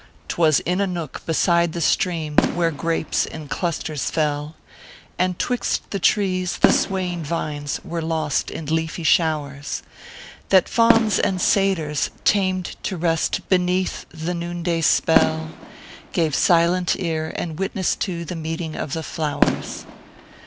Twas in a nook beside the stream where grapes in clusters fell, And twixt the trees the swaying vines were lost in leafy showers, That fauns and satyrs, tamed to rest beneath the noonday spell, Gave silent ear and witness to the meeting of the flowers.